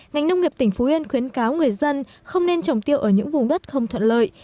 ngành nông nghiệp tỉnh phú yên khuyến cáo người dân không nên trồng tiêu ở những vùng đất không thuận lợi